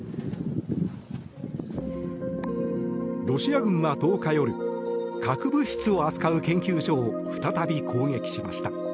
ロシア軍は１０日夜核物質を扱う研究所を再び攻撃しました。